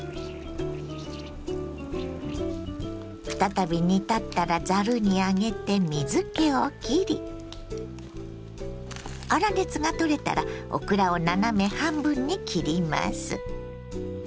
再び煮立ったらざるに上げて水けをきり粗熱が取れたらオクラを斜め半分に切ります。